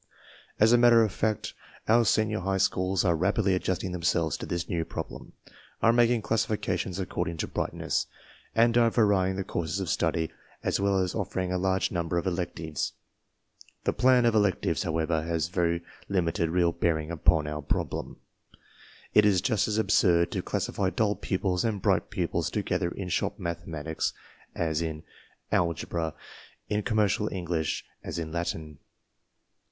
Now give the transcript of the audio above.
As a matter of fact, our senior high schools ar e rapidly Adjusting themselves to this new problem! are. ma^ag classifications according to brightness^ and are varying the courses of study as well as offering a large number of elective^ The plan of electives, however, has very little real bearing upon our problem. It is just as absurd to classify dull pupils and bright pupils to gether in shop mathematics as in algebra, in commercial English as in Latin.